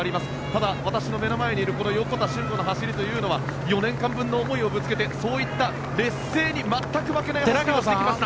ただ、私の目の前にいる横田俊吾の走りは４年分の思いを乗せてそういった劣勢に全く負けない走りです。